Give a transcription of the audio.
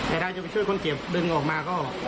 ไอ้รักจะไปช่วยคนเจ็บดึงออกมา